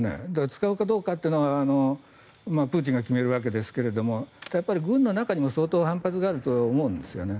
使うかどうかというのはプーチンが決めるわけですが軍の中にも相当反発があると思うんですよね。